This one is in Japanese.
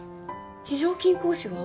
非常勤講師は？